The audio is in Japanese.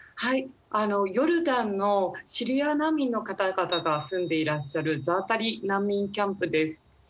ヨルダンのシリア難民の方々が住んでいらっしゃるザータリ難民キャンプです。